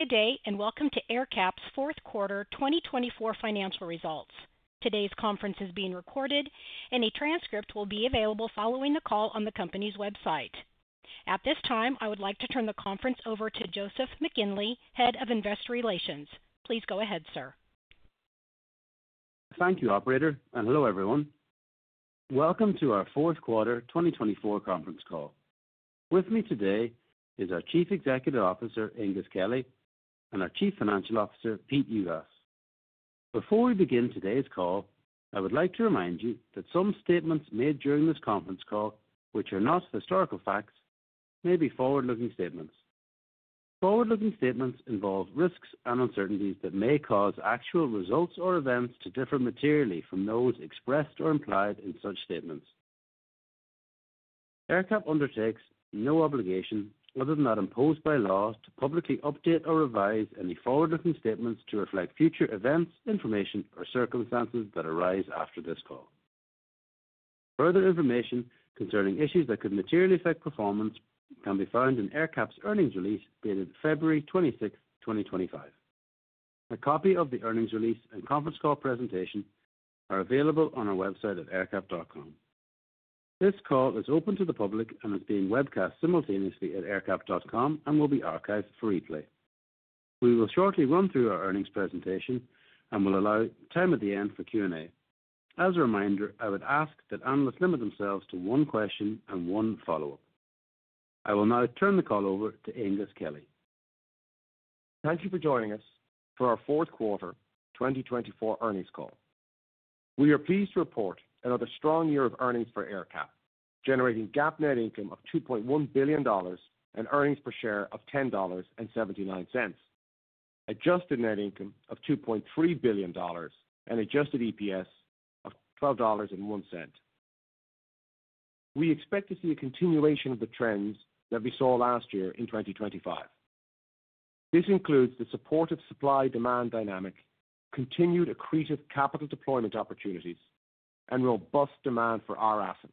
Good day, and welcome to AerCap's fourth quarter 2024 financial results. Today's conference is being recorded, and a transcript will be available following the call on the company's website. At this time, I would like to turn the conference over to Joseph McGinley, Head of Investor Relations. Please go ahead, sir. Thank you, Operator, and hello everyone. Welcome to our fourth quarter 2024 conference call. With me today is our Chief Executive Officer, Aengus Kelly, and our Chief Financial Officer, Pete Juhas. Before we begin today's call, I would like to remind you that some statements made during this conference call, which are not historical facts, may be forward-looking statements. Forward-looking statements involve risks and uncertainties that may cause actual results or events to differ materially from those expressed or implied in such statements. AerCap undertakes no obligation, other than that imposed by law, to publicly update or revise any forward-looking statements to reflect future events, information, or circumstances that arise after this call. Further information concerning issues that could materially affect performance can be found in AerCap's earnings release dated February 26, 2025. A copy of the earnings release and conference call presentation are available on our website at aercap.com. This call is open to the public and is being webcast simultaneously at AerCap.com and will be archived for replay. We will shortly run through our earnings presentation and will allow time at the end for Q&A. As a reminder, I would ask that analysts limit themselves to one question and one follow-up. I will now turn the call over to Aengus Kelly. Thank you for joining us for our fourth quarter 2024 earnings call. We are pleased to report another strong year of earnings for AerCap, generating GAAP net income of $2.1 billion and earnings per share of $10.79, adjusted net income of $2.3 billion, and adjusted EPS of $12.01. We expect to see a continuation of the trends that we saw last year in 2025. This includes the supportive supply-demand dynamic, continued accretive capital deployment opportunities, and robust demand for our assets,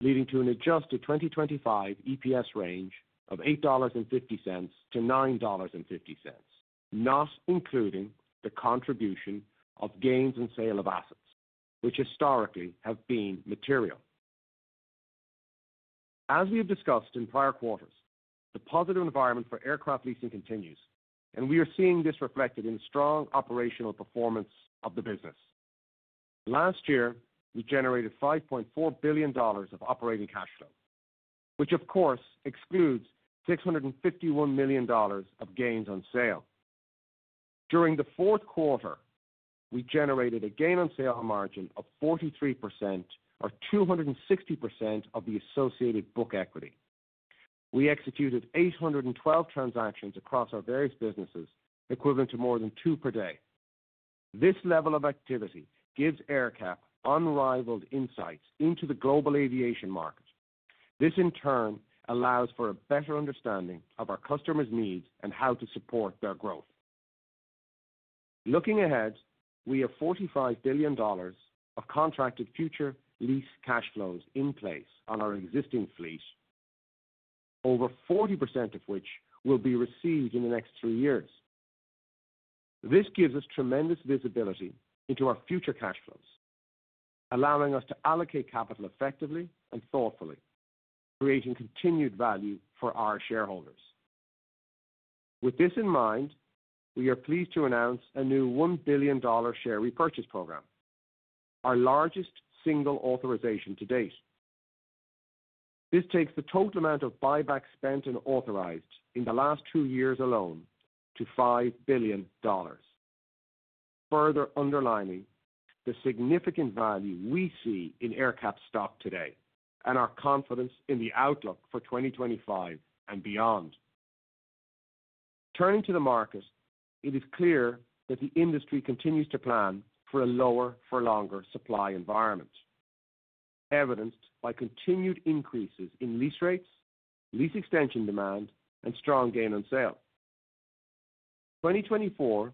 leading to an adjusted 2025 EPS range of $8.50-$9.50, not including the contribution of gains in sale of assets, which historically have been material. As we have discussed in prior quarters, the positive environment for aircraft leasing continues, and we are seeing this reflected in strong operational performance of the business. Last year, we generated $5.4 billion of operating cash flow, which of course excludes $651 million of gains on sale. During the fourth quarter, we generated a gain on sale margin of 43% or 260% of the associated book equity. We executed 812 transactions across our various businesses, equivalent to more than two per day. This level of activity gives AerCap unrivaled insights into the global aviation market. This, in turn, allows for a better understanding of our customers' needs and how to support their growth. Looking ahead, we have $45 billion of contracted future lease cash flows in place on our existing fleet, over 40% of which will be received in the next three years. This gives us tremendous visibility into our future cash flows, allowing us to allocate capital effectively and thoughtfully, creating continued value for our shareholders. With this in mind, we are pleased to announce a new $1 billion share repurchase program, our largest single authorization to date. This takes the total amount of buyback spent and authorized in the last two years alone to $5 billion, further underlining the significant value we see in AerCap's stock today and our confidence in the outlook for 2025 and beyond. Turning to the market, it is clear that the industry continues to plan for a lower-for-longer supply environment, evidenced by continued increases in lease rates, lease extension demand, and strong gain on sale. 2024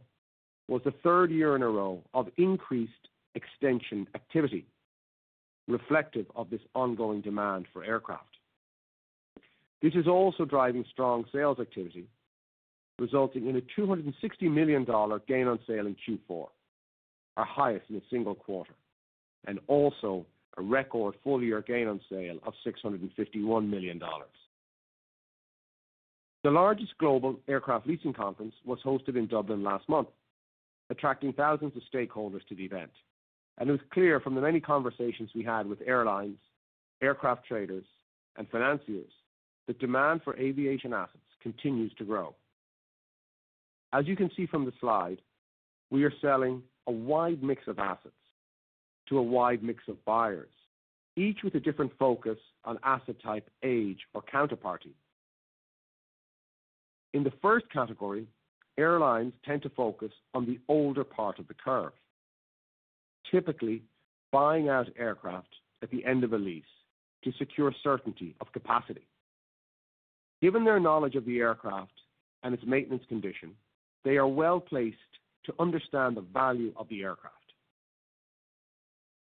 was the third year in a row of increased extension activity, reflective of this ongoing demand for aircraft. This is also driving strong sales activity, resulting in a $260 million gain on sale in Q4, our highest in a single quarter, and also a record full-year gain on sale of $651 million. The largest global aircraft leasing conference was hosted in Dublin last month, attracting thousands of stakeholders to the event, and it was clear from the many conversations we had with airlines, aircraft traders, and financiers that demand for aviation assets continues to grow. As you can see from the slide, we are selling a wide mix of assets to a wide mix of buyers, each with a different focus on asset type, age, or counterparty. In the first category, airlines tend to focus on the older part of the curve, typically buying out aircraft at the end of a lease to secure certainty of capacity. Given their knowledge of the aircraft and its maintenance condition, they are well placed to understand the value of the aircraft.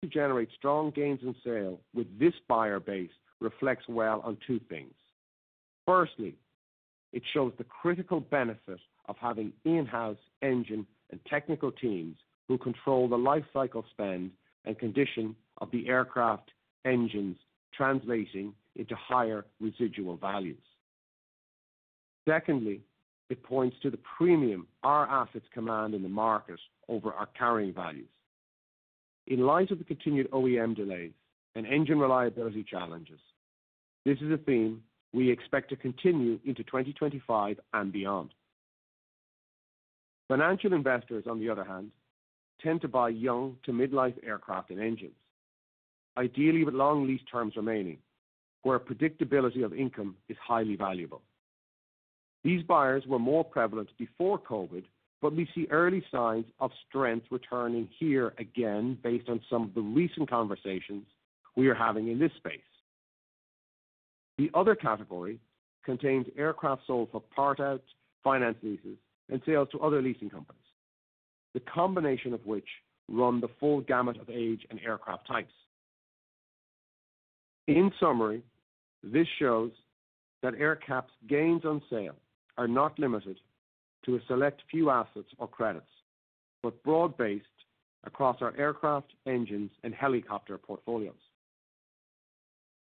To generate strong gains on sale with this buyer base reflects well on two things. Firstly, it shows the critical benefit of having in-house engine and technical teams who control the lifecycle spend and condition of the aircraft engines, translating into higher residual values. Secondly, it points to the premium our assets command in the market over our carrying values. In light of the continued OEM delays and engine reliability challenges, this is a theme we expect to continue into 2025 and beyond. Financial investors, on the other hand, tend to buy young to mid-life aircraft and engines, ideally with long lease terms remaining, where predictability of income is highly valuable. These buyers were more prevalent before COVID, but we see early signs of strength returning here again based on some of the recent conversations we are having in this space. The other category contains aircraft sold for part-out, finance leases, and sales to other leasing companies, the combination of which run the full gamut of age and aircraft types. In summary, this shows that AerCap's gains on sale are not limited to a select few assets or credits but broad-based across our aircraft, engines, and helicopter portfolios.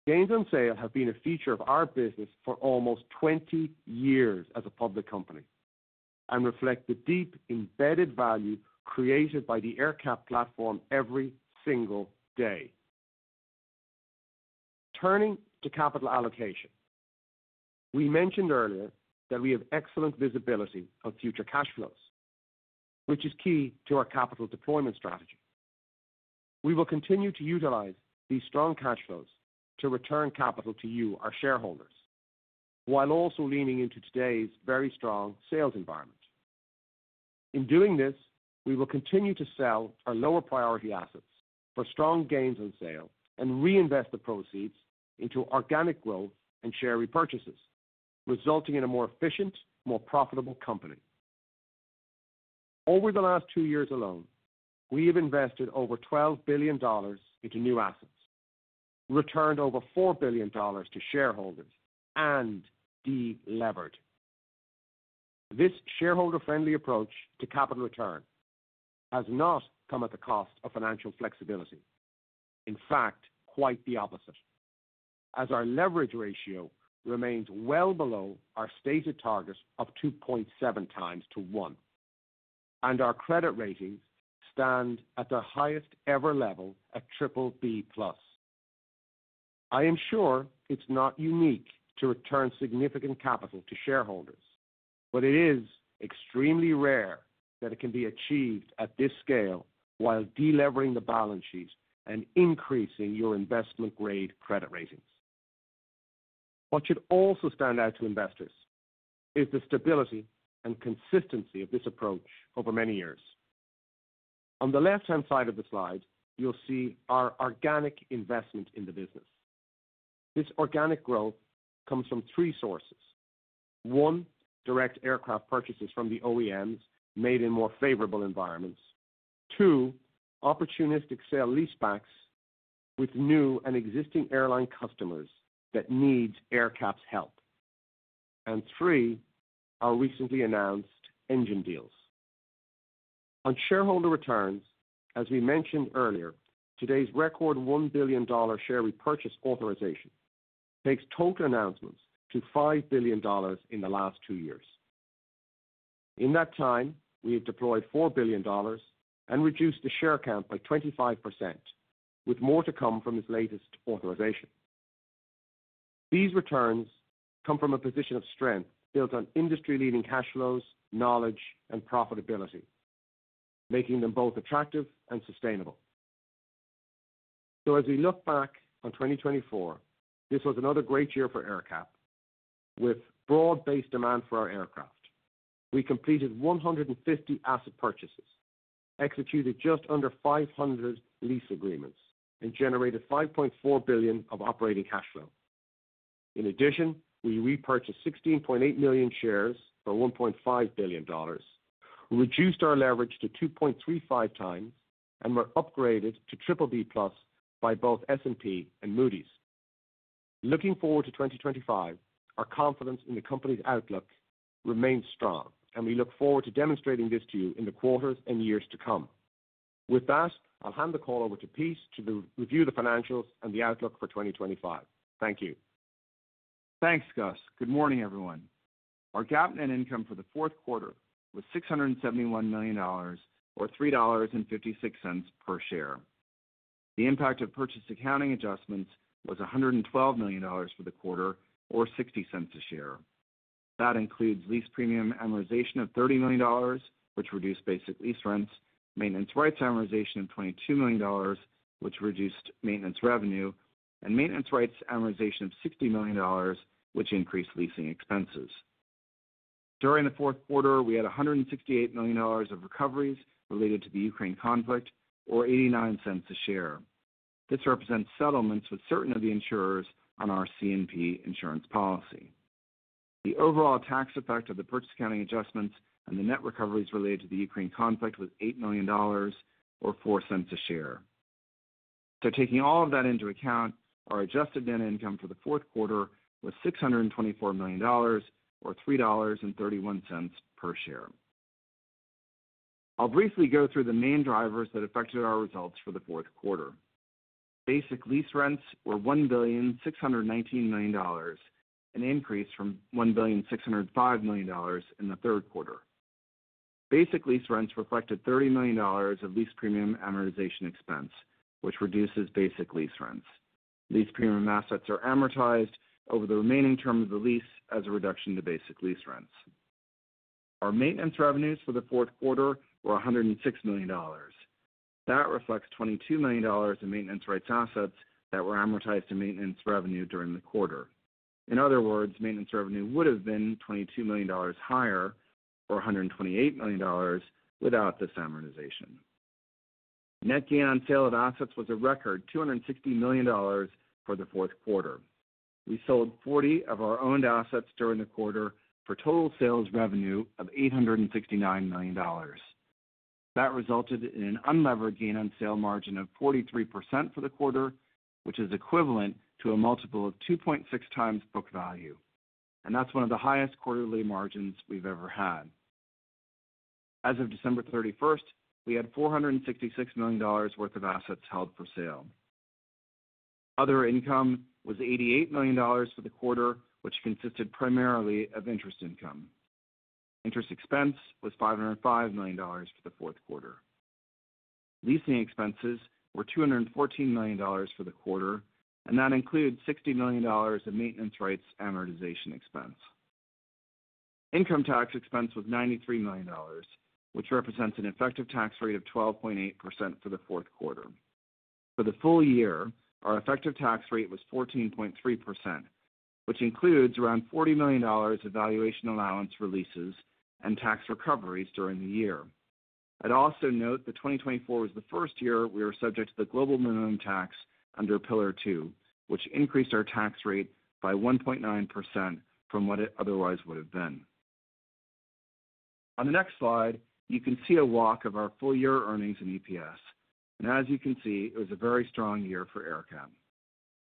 Gains on sale have been a feature of our business for almost 20 years as a public company and reflect the deep embedded value created by the AerCap platform every single day. Turning to capital allocation, we mentioned earlier that we have excellent visibility of future cash flows, which is key to our capital deployment strategy. We will continue to utilize these strong cash flows to return capital to you, our shareholders, while also leaning into today's very strong sales environment. In doing this, we will continue to sell our lower-priority assets for strong gains on sale and reinvest the proceeds into organic growth and share repurchases, resulting in a more efficient, more profitable company. Over the last two years alone, we have invested over $12 billion into new assets, returned over $4 billion to shareholders, and delivered. This shareholder-friendly approach to capital return has not come at the cost of financial flexibility. In fact, quite the opposite, as our leverage ratio remains well below our stated target of 2.7 times to 1, and our credit ratings stand at the highest-ever level at BBB+. I am sure it's not unique to return significant capital to shareholders, but it is extremely rare that it can be achieved at this scale while delivering the balance sheet and increasing your investment-grade credit ratings. What should also stand out to investors is the stability and consistency of this approach over many years. On the left-hand side of the slide, you'll see our organic investment in the business. This organic growth comes from three sources: one, direct aircraft purchases from the OEMs made in more favorable environments; two, opportunistic sale-leasebacks with new and existing airline customers that need AerCap's help; and three, our recently announced engine deals. On shareholder returns, as we mentioned earlier, today's record $1 billion share repurchase authorization takes total announcements to $5 billion in the last two years. In that time, we have deployed $4 billion and reduced the share count by 25%, with more to come from this latest authorization. These returns come from a position of strength built on industry-leading cash flows, knowledge, and profitability, making them both attractive and sustainable. So, as we look back on 2024, this was another great year for AerCap. With broad-based demand for our aircraft, we completed 150 asset purchases, executed just under 500 lease agreements, and generated $5.4 billion of operating cash flow. In addition, we repurchased 16.8 million shares for $1.5 billion, reduced our leverage to 2.35 times, and were upgraded to BBB+ by both S&P and Moody's. Looking forward to 2025, our confidence in the company's outlook remains strong, and we look forward to demonstrating this to you in the quarters and years to come. With that, I'll hand the call over to Pete to review the financials and the outlook for 2025. Thank you. Thanks, Gus. Good morning, everyone. Our GAAP net income for the fourth quarter was $671 million or $3.56 per share. The impact of purchase accounting adjustments was $112 million for the quarter, or $0.60 a share. That includes lease premium amortization of $30 million, which reduced basic lease rents, maintenance rights amortization of $22 million, which reduced maintenance revenue, and maintenance rights amortization of $60 million, which increased leasing expenses. During the fourth quarter, we had $168 million of recoveries related to the Ukraine conflict, or $0.89 a share. This represents settlements with certain of the insurers on our C&P insurance policy. The overall tax effect of the purchase accounting adjustments and the net recoveries related to the Ukraine conflict was $8 million, or $0.04 a share. So, taking all of that into account, our adjusted net income for the fourth quarter was $624 million, or $3.31 per share. I'll briefly go through the main drivers that affected our results for the fourth quarter. Basic lease rents were $1,619 million, an increase from $1,605 million in the third quarter. Basic lease rents reflected $30 million of lease premium amortization expense, which reduces basic lease rents. Lease premium assets are amortized over the remaining term of the lease as a reduction to basic lease rents. Our maintenance revenues for the fourth quarter were $106 million. That reflects $22 million in maintenance rights assets that were amortized to maintenance revenue during the quarter. In other words, maintenance revenue would have been $22 million higher, or $128 million, without this amortization. Net gain on sale of assets was a record $260 million for the fourth quarter. We sold 40 of our owned assets during the quarter for total sales revenue of $869 million. That resulted in an unlevered gain on sale margin of 43% for the quarter, which is equivalent to a multiple of 2.6 times book value. That's one of the highest quarterly margins we've ever had. As of December 31st, we had $466 million worth of assets held for sale. Other income was $88 million for the quarter, which consisted primarily of interest income. Interest expense was $505 million for the fourth quarter. Leasing expenses were $214 million for the quarter, and that included $60 million of maintenance rights amortization expense. Income tax expense was $93 million, which represents an effective tax rate of 12.8% for the fourth quarter. For the full year, our effective tax rate was 14.3%, which includes around $40 million of valuation allowance releases and tax recoveries during the year. I'd also note that 2024 was the first year we were subject to the global minimum tax under Pillar 2, which increased our tax rate by 1.9% from what it otherwise would have been. On the next slide, you can see a walk of our full-year earnings in EPS. And as you can see, it was a very strong year for AerCap.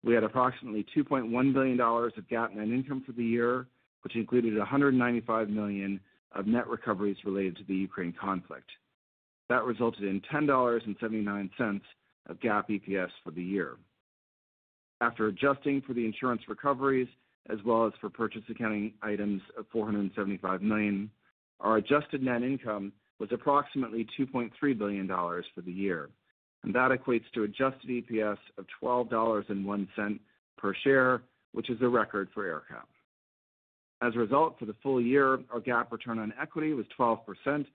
We had approximately $2.1 billion of GAAP net income for the year, which included $195 million of net recoveries related to the Ukraine conflict. That resulted in $10.79 of GAAP EPS for the year. After adjusting for the insurance recoveries, as well as for purchase accounting items of $475 million, our adjusted net income was approximately $2.3 billion for the year. And that equates to Adjusted EPS of $12.01 per share, which is a record for AerCap. As a result, for the full year, our GAAP return on equity was 12%, and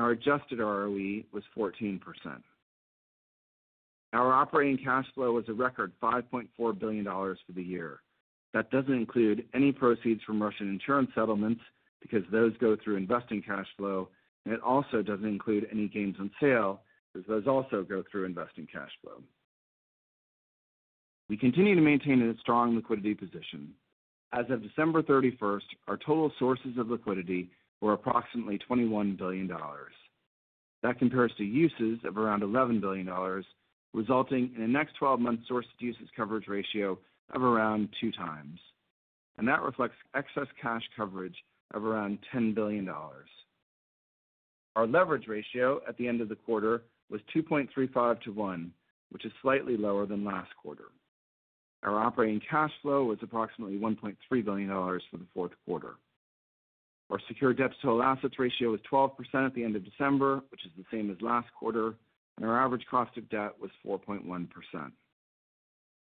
our Adjusted ROE was 14%. Our operating cash flow was a record $5.4 billion for the year. That doesn't include any proceeds from Russian insurance settlements because those go through investing cash flow, and it also doesn't include any gains on sale because those also go through investing cash flow. We continue to maintain a strong liquidity position. As of December 31st, our total sources of liquidity were approximately $21 billion. That compares to uses of around $11 billion, resulting in a next 12-month source-to-uses coverage ratio of around two times. And that reflects excess cash coverage of around $10 billion. Our leverage ratio at the end of the quarter was 2.35 to 1, which is slightly lower than last quarter. Our operating cash flow was approximately $1.3 billion for the fourth quarter. Our secured debt-to-total assets ratio was 12% at the end of December, which is the same as last quarter, and our average cost of debt was 4.1%.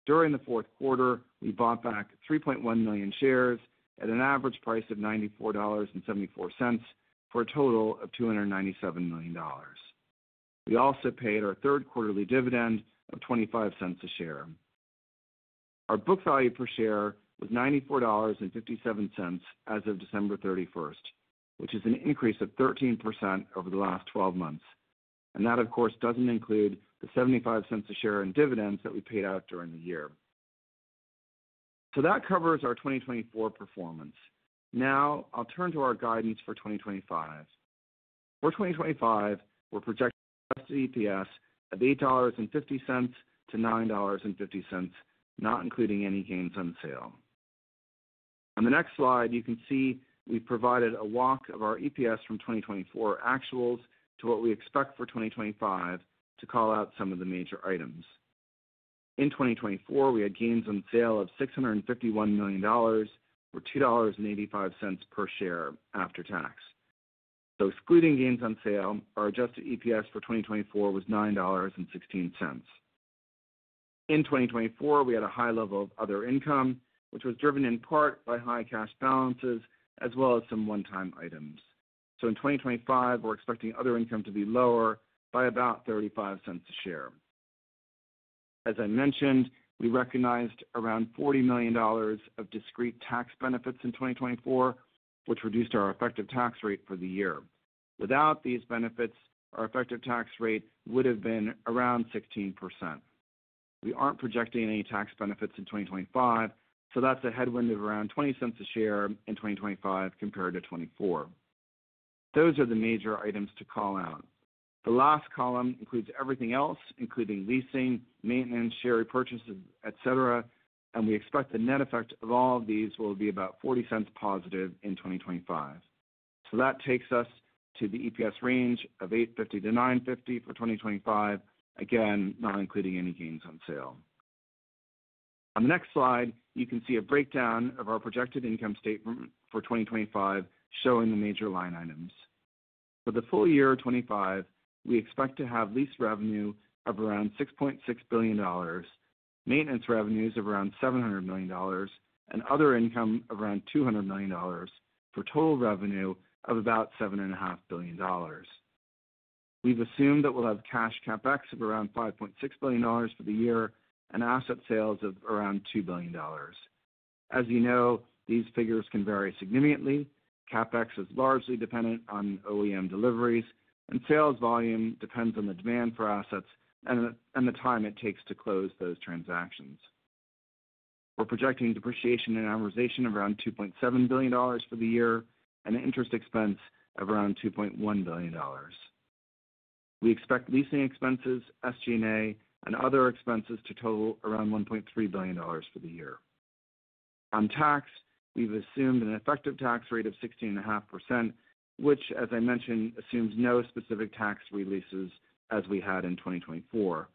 During the fourth quarter, we bought back 3.1 million shares at an average price of $94.74 for a total of $297 million. We also paid our third quarterly dividend of $0.25 a share. Our book value per share was $94.57 as of December 31st, which is an increase of 13% over the last 12 months. That, of course, doesn't include the $0.75 a share in dividends that we paid out during the year. That covers our 2024 performance. Now, I'll turn to our guidance for 2025. For 2025, we're projecting Adjusted EPS of $8.50-$9.50, not including any gains on sale. On the next slide, you can see we've provided a walk of our EPS from 2024 actuals to what we expect for 2025 to call out some of the major items. In 2024, we had gains on sale of $651 million or $2.85 per share after tax. So, excluding gains on sale, our Adjusted EPS for 2024 was $9.16. In 2024, we had a high level of other income, which was driven in part by high cash balances as well as some one-time items. So, in 2025, we're expecting other income to be lower by about $0.35 a share. As I mentioned, we recognized around $40 million of discrete tax benefits in 2024, which reduced our effective tax rate for the year. Without these benefits, our effective tax rate would have been around 16%. We aren't projecting any tax benefits in 2025, so that's a headwind of around $0.20 a share in 2025 compared to 2024. Those are the major items to call out. The last column includes everything else, including leasing, maintenance, share repurchases, et cetera, and we expect the net effect of all of these will be about $0.40 positive in 2025. That takes us to the EPS range of $8.50-$9.50 for 2025, again, not including any gains on sale. On the next slide, you can see a breakdown of our projected income statement for 2025 showing the major line items. For the full year of 2025, we expect to have lease revenue of around $6.6 billion, maintenance revenues of around $700 million, and other income of around $200 million for total revenue of about $7.5 billion. We've assumed that we'll have cash CapEx of around $5.6 billion for the year and asset sales of around $2 billion. As you know, these figures can vary significantly. CapEx is largely dependent on OEM deliveries, and sales volume depends on the demand for assets and the time it takes to close those transactions. We're projecting depreciation and amortization of around $2.7 billion for the year and interest expense of around $2.1 billion. We expect leasing expenses, SG&A, and other expenses to total around $1.3 billion for the year. On tax, we've assumed an effective tax rate of 16.5%, which, as I mentioned, assumes no specific tax releases as we had in 2024.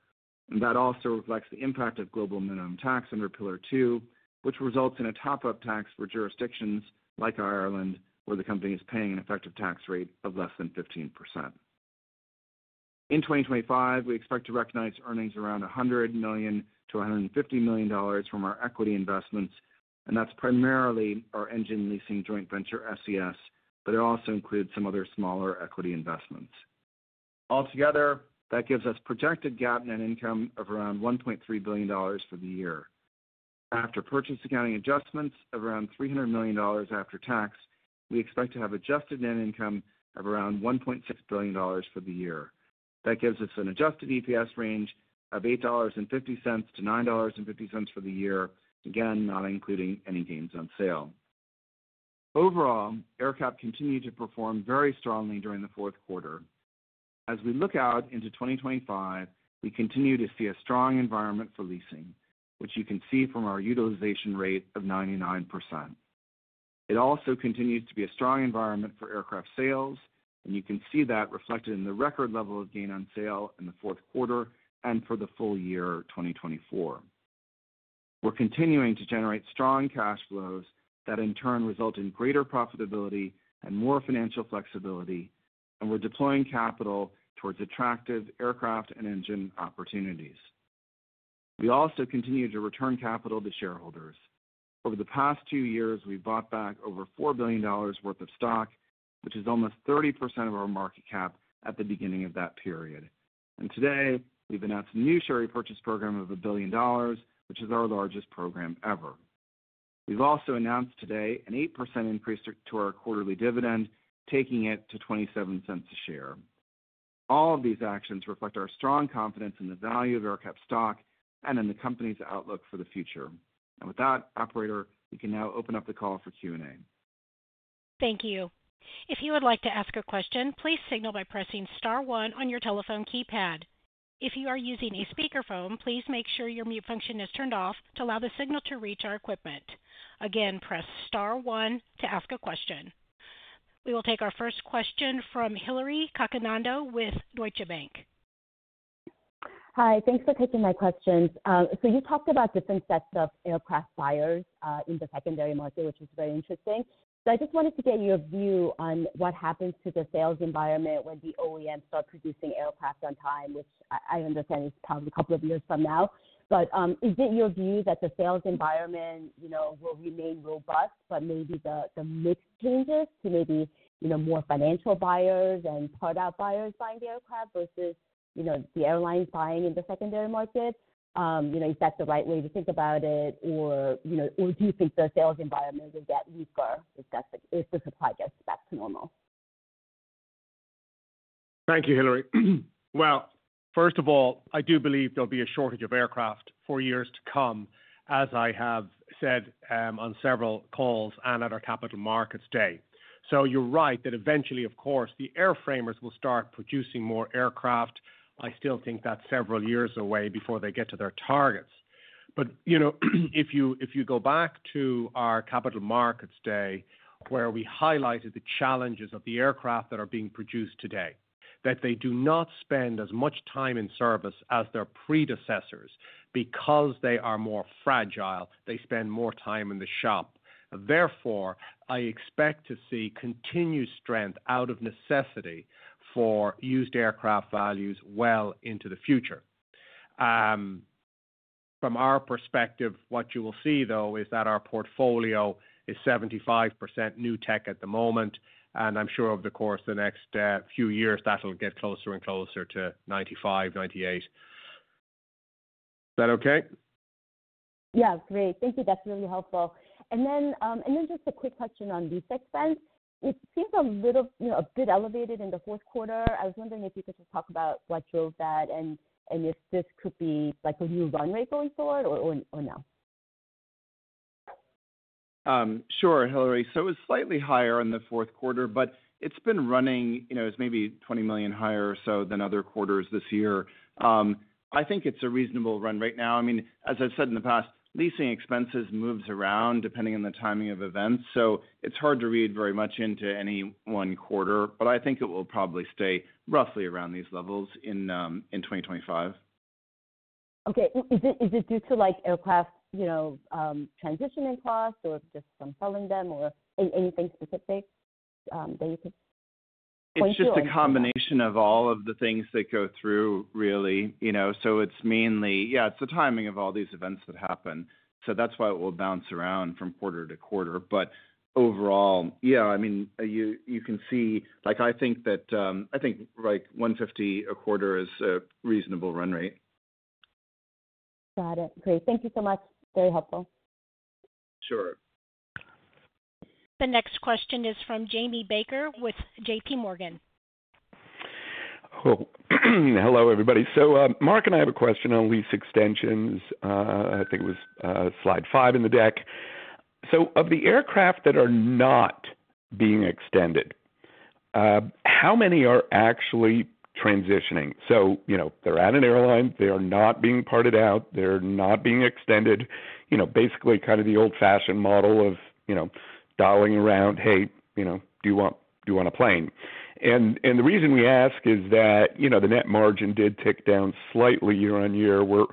And that also reflects the impact of global minimum tax under Pillar 2, which results in a top-up tax for jurisdictions like Ireland, where the company is paying an effective tax rate of less than 15%. In 2025, we expect to recognize earnings around $100 million to $150 million from our equity investments, and that's primarily our engine leasing joint venture, SES, but it also includes some other smaller equity investments. Altogether, that gives us projected GAAP net income of around $1.3 billion for the year. After purchase accounting adjustments of around $300 million after tax, we expect to have adjusted net income of around $1.6 billion for the year. That gives us an Adjusted EPS range of $8.50-$9.50 for the year, again, not including any gains on sale. Overall, AerCap continued to perform very strongly during the fourth quarter. As we look out into 2025, we continue to see a strong environment for leasing, which you can see from our utilization rate of 99%. It also continues to be a strong environment for aircraft sales, and you can see that reflected in the record level of gain on sale in the fourth quarter and for the full year 2024. We're continuing to generate strong cash flows that, in turn, result in greater profitability and more financial flexibility, and we're deploying capital towards attractive aircraft and engine opportunities. We also continue to return capital to shareholders. Over the past two years, we've bought back over $4 billion worth of stock, which is almost 30% of our market cap at the beginning of that period. And today, we've announced a new share repurchase program of $1 billion, which is our largest program ever. We've also announced today an 8% increase to our quarterly dividend, taking it to $0.27 a share. All of these actions reflect our strong confidence in the value of AerCap stock and in the company's outlook for the future, and with that, Operator, we can now open up the call for Q&A. Thank you. If you would like to ask a question, please signal by pressing star one on your telephone keypad. If you are using a speakerphone, please make sure your mute function is turned off to allow the signal to reach our equipment. Again, press star one to ask a question. We will take our first question from Hillary Cacanando with Deutsche Bank. Hi, thanks for taking my questions. So you talked about different sets of aircraft buyers in the secondary market, which is very interesting. I just wanted to get your view on what happens to the sales environment when the OEMs start producing aircraft on time, which I understand is probably a couple of years from now. But is it your view that the sales environment will remain robust, but maybe the mix changes to maybe more financial buyers and part-out buyers buying the aircraft versus the airlines buying in the secondary market? Is that the right way to think about it, or do you think the sales environment will get weaker if the supply gets back to normal? Thank you, Hillary. Well, first of all, I do believe there'll be a shortage of aircraft for years to come, as I have said on several calls and at our Capital Markets Day. You're right that eventually, of course, the airframers will start producing more aircraft. I still think that's several years away before they get to their targets. But if you go back to our Capital Markets Day, where we highlighted the challenges of the aircraft that are being produced today, that they do not spend as much time in service as their predecessors because they are more fragile, they spend more time in the shop. Therefore, I expect to see continued strength out of necessity for used aircraft values well into the future. From our perspective, what you will see, though, is that our portfolio is 75% new tech at the moment, and I'm sure over the course of the next few years, that'll get closer and closer to 95, 98. Is that okay? Yeah, great. Thank you. That's really helpful. And then just a quick question on lease expense. It seems a bit elevated in the fourth quarter. I was wondering if you could just talk about what drove that and if this could be a new run rate going forward or not. Sure, Hillary. So it was slightly higher in the fourth quarter, but it's been running maybe $20 million higher or so than other quarters this year. I think it's a reasonable run right now. I mean, as I've said in the past, leasing expenses move around depending on the timing of events, so it's hard to read very much into any one quarter, but I think it will probably stay roughly around these levels in 2025. Okay. Is it due to aircraft transitioning costs or just some selling them or anything specific that you could point to? It's just a combination of all of the things that go through, really. So it's mainly, yeah, it's the timing of all these events that happen. So that's why it will bounce around from quarter to quarter. But overall, yeah, I mean, you can see I think 150 a quarter is a reasonable run rate. Got it. Great. Thank you so much. Very helpful. Sure. The next question is from Jamie Baker with JPMorgan. Hello, everybody. So Mark and I have a question on lease extensions. I think it was slide five in the deck. So of the aircraft that are not being extended, how many are actually transitioning? So they're at an airline. They are not being parted out. They're not being extended. Basically, kind of the old-fashioned model of dialing around, "Hey, do you want a plane?" And the reason we ask is that the net margin did tick down slightly year on year. We're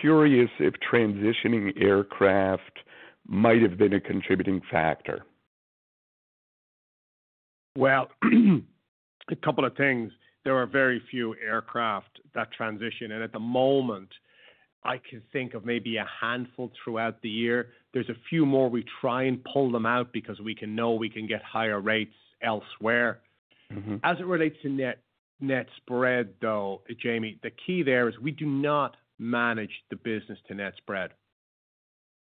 curious if transitioning aircraft might have been a contributing factor. Well, a couple of things. There are very few aircraft that transition, and at the moment, I can think of maybe a handful throughout the year. There's a few more. We try and pull them out because we know we can get higher rates elsewhere. As it relates to net spread, though, Jamie, the key there is we do not manage the business to net spread.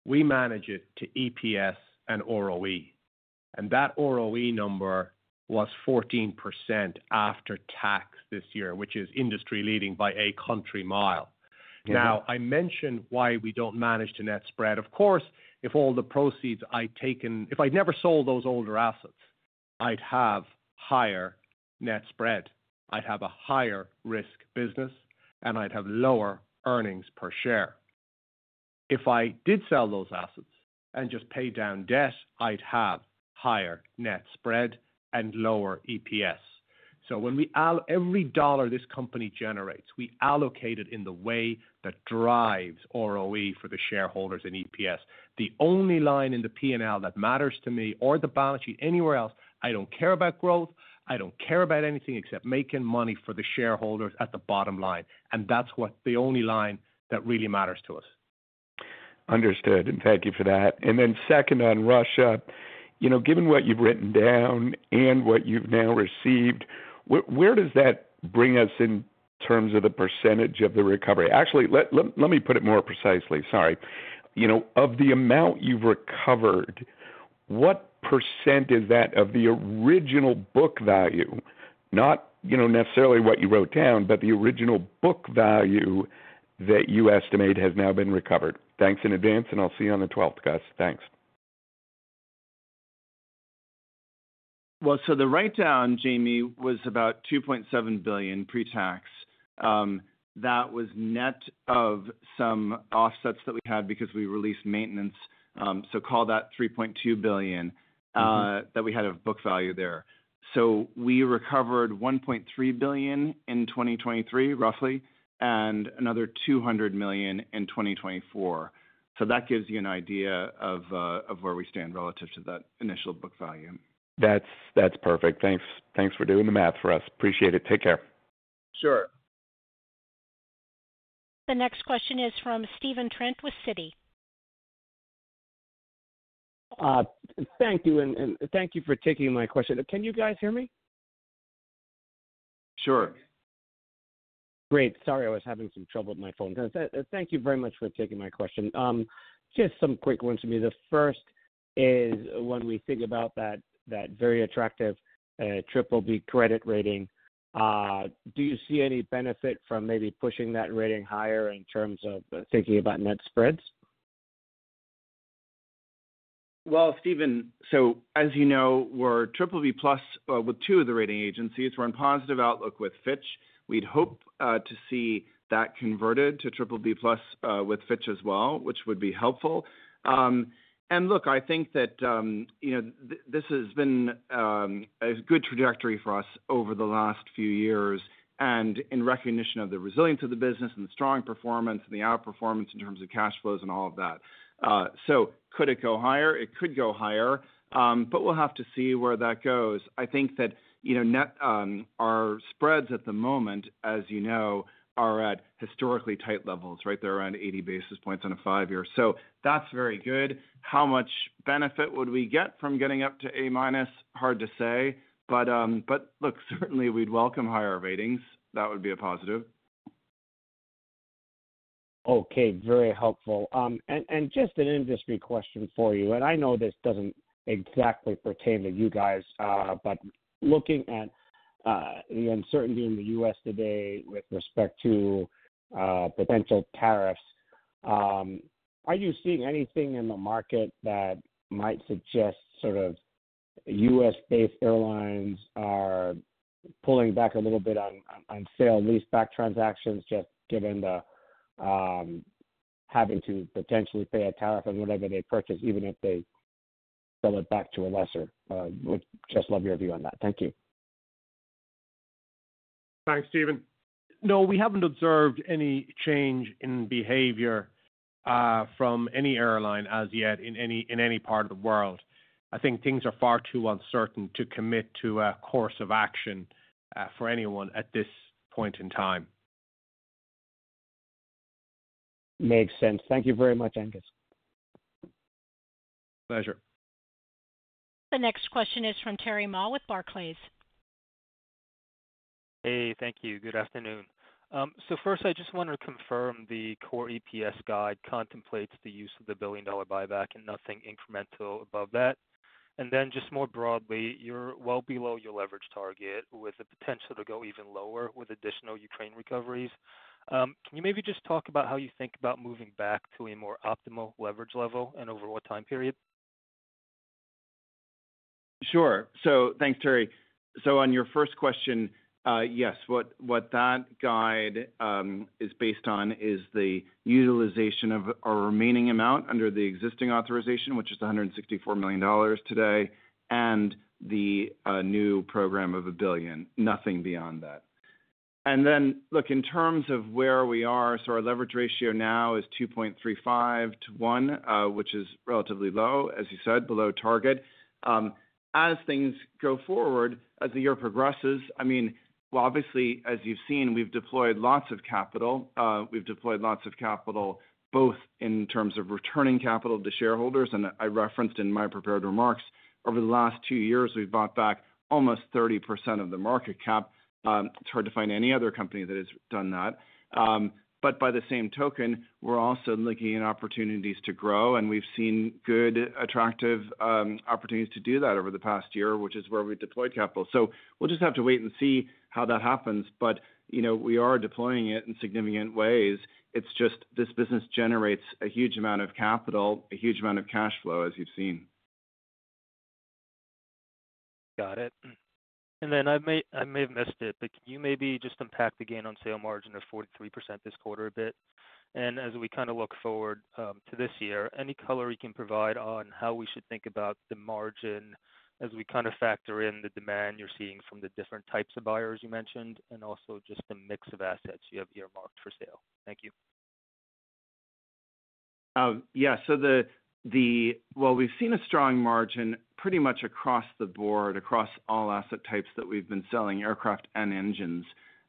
We manage it to EPS and ROE, and that ROE number was 14% after tax this year, which is industry-leading by a country mile. Now, I mentioned why we don't manage to net spread. Of course, if all the proceeds I'd taken, if I'd never sold those older assets, I'd have higher net spread. I'd have a higher risk business, and I'd have lower earnings per share. If I did sell those assets and just pay down debt, I'd have higher net spread and lower EPS. So when we allocate every dollar this company generates, we allocate it in the way that drives ROE for the shareholders and EPS. The only line in the P&L that matters to me or the balance sheet anywhere else, I don't care about growth. I don't care about anything except making money for the shareholders at the bottom line. And that's the only line that really matters to us. Understood. And thank you for that. And then second on Russia, given what you've written down and what you've now received, where does that bring us in terms of the percentage of the recovery? Actually, let me put it more precisely. Sorry. Of the amount you've recovered, what percent is that of the original book value, not necessarily what you wrote down, but the original book value that you estimate has now been recovered? Thanks in advance, and I'll see you on the 12th, guys. Thanks. Well, so the write-down, Jamie, was about $2.7 billion pre-tax. That was net of some offsets that we had because we released maintenance. So call that $3.2 billion that we had of book value there. So we recovered $1.3 billion in 2023, roughly, and another $200 million in 2024. So that gives you an idea of where we stand relative to that initial book value. That's perfect. Thanks for doing the math for us. Appreciate it. Take care. The next question is from Stephen Trent with Citi. Thank you. And thank you for taking my question. Can you guys hear me? Great. Sorry, I was having some trouble with my phone. Thank you very much for taking my question. Just some quick ones for me. The first is when we think about that very attractive triple B credit rating, do you see any benefit from maybe pushing that rating higher in terms of thinking about net spreads? Stephen, so as you know, we're BBB+ with two of the rating agencies. We're in positive outlook with Fitch. We'd hope to see that converted to BBB+ with Fitch as well, which would be helpful. And look, I think that this has been a good trajectory for us over the last few years and in recognition of the resilience of the business and the strong performance and the outperformance in terms of cash flows and all of that. So could it go higher? It could go higher, but we'll have to see where that goes. I think that our spreads at the moment, as you know, are at historically tight levels, right? They're around 80 basis points on a five-year, so that's very good. How much benefit would we get from getting up to A minus? Hard to say, but look, certainly we'd welcome higher ratings. That would be a positive. Okay. Very helpful, and just an industry question for you, and I know this doesn't exactly pertain to you guys, but looking at the uncertainty in the U.S. today with respect to potential tariffs, are you seeing anything in the market that might suggest sort of U.S.-based airlines are pulling back a little bit on sale-leaseback transactions just given the having to potentially pay a tariff on whatever they purchase, even if they sell it back to a lessor? Would just love your view on that. Thank you. Thanks, Stephen. No, we haven't observed any change in behavior from any airline as yet in any part of the world. I think things are far too uncertain to commit to a course of action for anyone at this point in time. Makes sense. Thank you very much, Aengus. Pleasure. The next question is from Terry Ma with Barclays. Hey, thank you. Good afternoon. So first, I just want to confirm the core EPS guide contemplates the use of the $1 billion buyback and nothing incremental above that. And then just more broadly, you're well below your leverage target with the potential to go even lower with additional Ukraine recoveries. Can you maybe just talk about how you think about moving back to a more optimal leverage level in a overall time period? Sure. So thanks, Terry. So on your first question, yes, what that guide is based on is the utilization of our remaining amount under the existing authorization, which is $164 million today, and the new program of $1 billion, nothing beyond that. And then look, in terms of where we are, so our leverage ratio now is 2.35 to 1, which is relatively low, as you said, below target. As things go forward, as the year progresses, I mean, obviously, as you've seen, we've deployed lots of capital. We've deployed lots of capital both in terms of returning capital to shareholders. And I referenced in my prepared remarks, over the last two years, we've bought back almost 30% of the market cap. It's hard to find any other company that has done that. But by the same token, we're also looking at opportunities to grow, and we've seen good attractive opportunities to do that over the past year, which is where we've deployed capital. So we'll just have to wait and see how that happens. But we are deploying it in significant ways. It's just this business generates a huge amount of capital, a huge amount of cash flow, as you've seen. Got it. And then I may have missed it, but can you maybe just unpack the gain on sale margin of 43% this quarter a bit? And as we kind of look forward to this year, any color you can provide on how we should think about the margin as we kind of factor in the demand you're seeing from the different types of buyers you mentioned and also just the mix of assets you have here marked for sale? Thank you. Yeah. So well, we've seen a strong margin pretty much across the board, across all asset types that we've been selling aircraft and engines.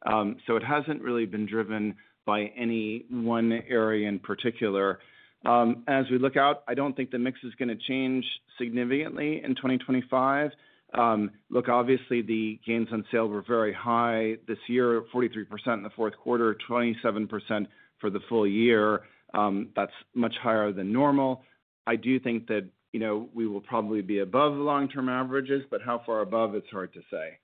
So it hasn't really been driven by any one area in particular. As we look out, I don't think the mix is going to change significantly in 2025. Look, obviously, the gains on sale were very high this year, 43% in the fourth quarter, 27% for the full year. That's much higher than normal. I do think that we will probably be above the long-term averages, but how far above, it's hard to say.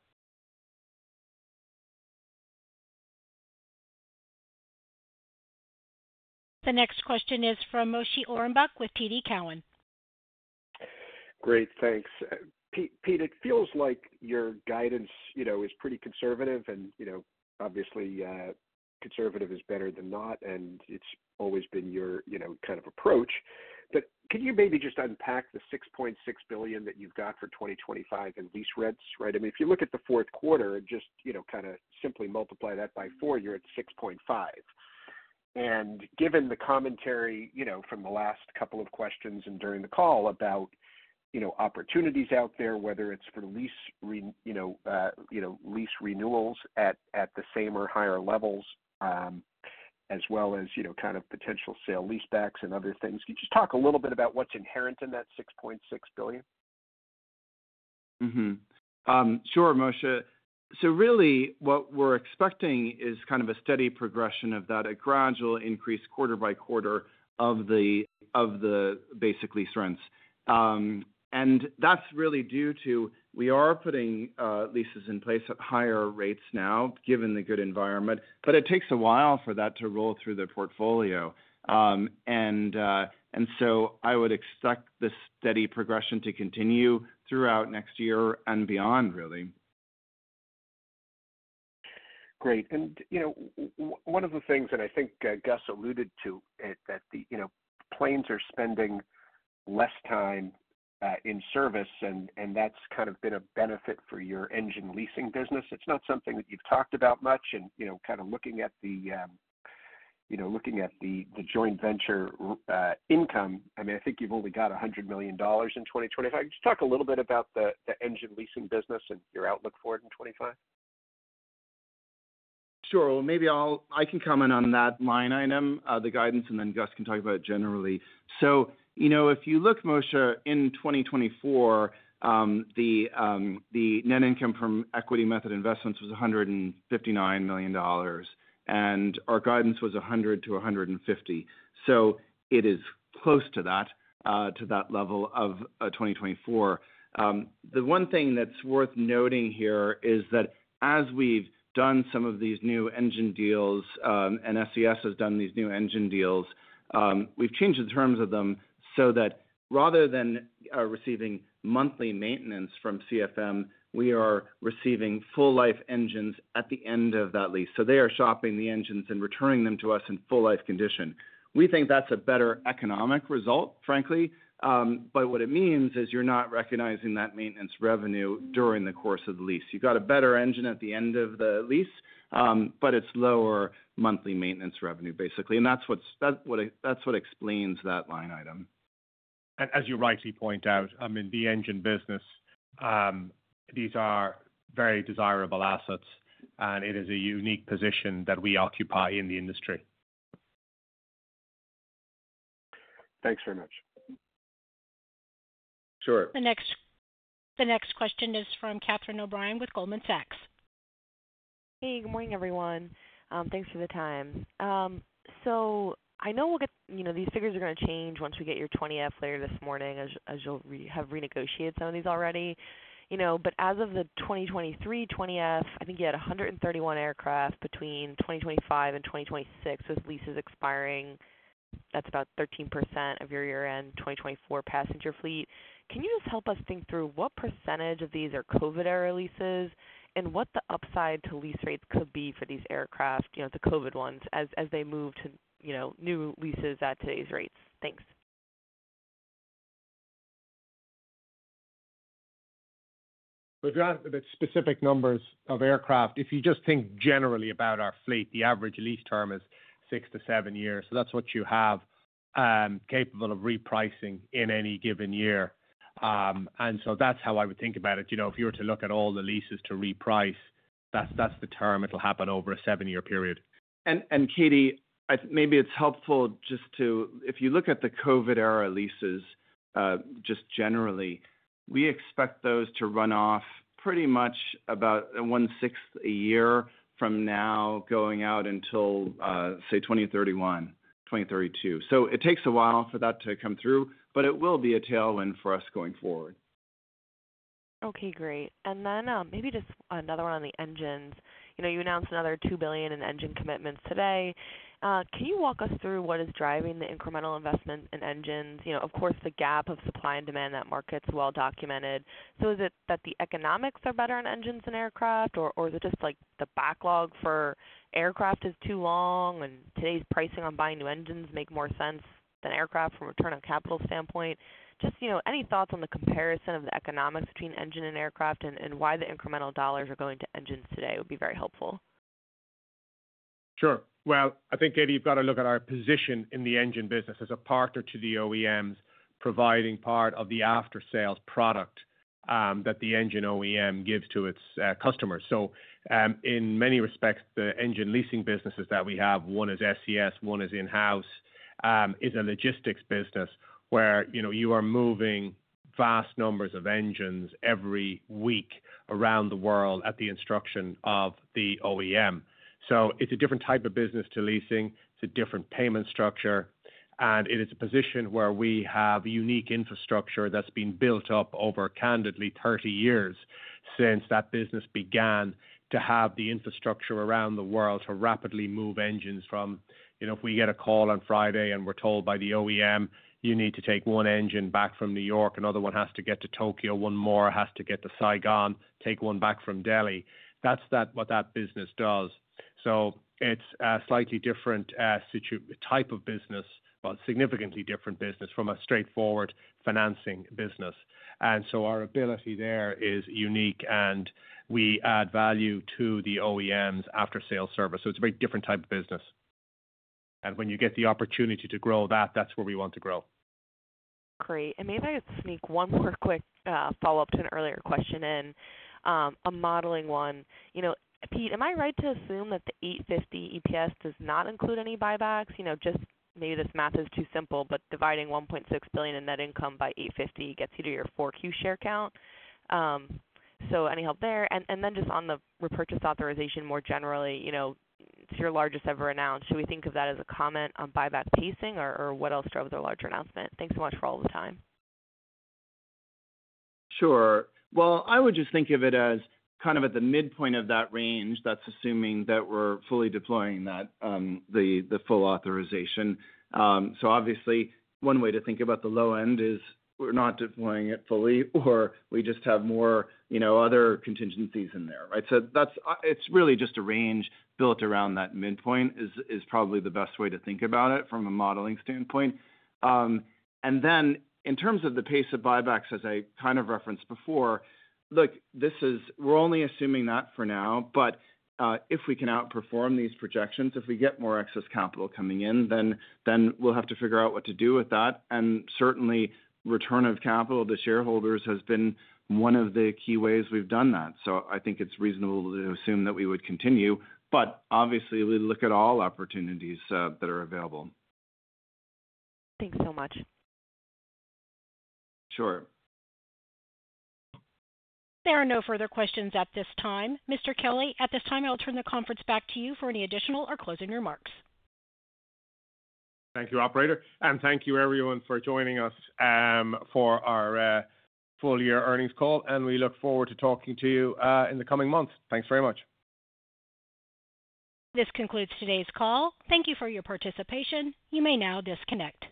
The next question is from Moshe Orenbuch with TD Cowen. Great. Thanks. Pete, it feels like your guidance is pretty conservative, and obviously, conservative is better than not, and it's always been your kind of approach. But could you maybe just unpack the $6.6 billion that you've got for 2025 in lease rents, right? I mean, if you look at the fourth quarter, just kind of simply multiply that by four, you're at $6.5 billion. And given the commentary from the last couple of questions and during the call about opportunities out there, whether it's for lease renewals at the same or higher levels, as well as kind of potential sale lease backs and other things, could you just talk a little bit about what's inherent in that $6.6 billion? Sure, Moshe. So really, what we're expecting is kind of a steady progression of that, a gradual increase quarter by quarter of the basic lease rents. And that's really due to we are putting leases in place at higher rates now, given the good environment. But it takes a while for that to roll through the portfolio. So I would expect this steady progression to continue throughout next year and beyond, really. Great. One of the things, and I think Gus alluded to it, that planes are spending less time in service, and that's kind of been a benefit for your engine leasing business. It's not something that you've talked about much. Kind of looking at the joint venture income, I mean, I think you've only got $100 million in 2025. Could you talk a little bit about the engine leasing business and your outlook for it in 2025? Sure. Well, maybe I can comment on that line item, the guidance, and then Gus can talk about it generally. So if you look, Moshe, in 2024, the net income from Equity Method Investments was $159 million, and our guidance was 100-150. So it is close to that, to that level of 2024. The one thing that's worth noting here is that as we've done some of these new engine deals, and SES has done these new engine deals, we've changed the terms of them so that rather than receiving monthly maintenance from CFM, we are receiving full-life engines at the end of that lease. So they are shop visiting the engines and returning them to us in full-life condition. We think that's a better economic result, frankly. But what it means is you're not recognizing that maintenance revenue during the course of the lease. You've got a better engine at the end of the lease, but it's lower monthly maintenance revenue, basically. And that's what explains that line item. And as you rightly point out, I mean, the engine business, these are very desirable assets, and it is a unique position that we occupy in the industry. Thanks very much. Sure. The next question is from Catherine O'Brien with Goldman Sachs. Hey, good morning, everyone. Thanks for the time. So I know we'll get these figures are going to change once we get your 20-F later this morning, as you'll have renegotiated some of these already. But as of the 2023 20-F, I think you had 131 aircraft between 2025 and 2026 with leases expiring. That's about 13% of your year-end 2024 passenger fleet. Can you just help us think through what percentage of these are COVID-era leases and what the upside to lease rates could be for these aircraft, the COVID ones, as they move to new leases at today's rates? Thanks. You're asking about specific numbers of aircraft. If you just think generally about our fleet, the average lease term is six to seven years. That's what you have capable of repricing in any given year. That's how I would think about it. If you were to look at all the leases to reprice, that's the term. It'll happen over a seven-year period. Katie, maybe it's helpful just to, if you look at the COVID-era leases just generally, we expect those to run off pretty much about one-sixth a year from now going out until, say, 2031, 2032. It takes a while for that to come through, but it will be a tailwind for us going forward. Okay, great. Maybe just another one on the engines. You announced another $2 billion in engine commitments today. Can you walk us through what is driving the incremental investment in engines? Of course, the gap of supply and demand that market's well documented. So is it that the economics are better on engines than aircraft, or is it just the backlog for aircraft is too long, and today's pricing on buying new engines makes more sense than aircraft from a return on capital standpoint? Just any thoughts on the comparison of the economics between engine and aircraft and why the incremental dollars are going to engines today would be very helpful. Sure. Well, I think, Katie, you've got to look at our position in the engine business as a partner to the OEMs providing part of the after-sales product that the engine OEM gives to its customers. So in many respects, the engine leasing businesses that we have, one is SES, one is in-house, is a logistics business where you are moving vast numbers of engines every week around the world at the instruction of the OEM. It's a different type of business to leasing. It's a different payment structure. And it is a position where we have unique infrastructure that's been built up over candidly 30 years since that business began to have the infrastructure around the world to rapidly move engines from if we get a call on Friday and we're told by the OEM, you need to take one engine back from New York, another one has to get to Tokyo, one more has to get to Saigon, take one back from Delhi. That's what that business does. So it's a slightly different type of business, but significantly different business from a straightforward financing business. And so our ability there is unique, and we add value to the OEM's after-sales service. So it's a very different type of business. And when you get the opportunity to grow that, that's where we want to grow. Great. And maybe I sneak one more quick follow-up to an earlier question and a modeling one. Pete, am I right to assume that the $8.50 EPS does not include any buybacks? Just maybe this math is too simple, but dividing $1.6 billion in net income by $8.50 gets you to your 4Q share count. So any help there? And then just on the repurchase authorization more generally, it's your largest ever announced. Should we think of that as a comment on buyback pacing, or what else drove the larger announcement? Thanks so much for all the time. Sure. Well, I would just think of it as kind of at the midpoint of that range. That's assuming that we're fully deploying the full authorization. So obviously, one way to think about the low end is we're not deploying it fully, or we just have more other contingencies in there, right? So it's really just a range built around that midpoint is probably the best way to think about it from a modeling standpoint. And then in terms of the pace of buybacks, as I kind of referenced before, look, we're only assuming that for now, but if we can outperform these projections, if we get more excess capital coming in, then we'll have to figure out what to do with that. And certainly, return of capital to shareholders has been one of the key ways we've done that. So I think it's reasonable to assume that we would continue. But obviously, we look at all opportunities that are available. Thanks so much. Sure. If there are no further questions at this time, Mr. Kelly, at this time, I'll turn the conference back to you for any additional or closing remarks. Thank you, operator. And thank you, everyone, for joining us for our full-year earnings call. And we look forward to talking to you in the coming months. Thanks very much. This concludes today's call. Thank you for your participation. You may now disconnect.